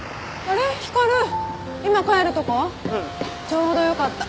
ちょうどよかった。